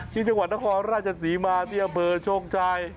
ที่จังหวัดตะคอราชสีมาที่อเบอร์โชคชาย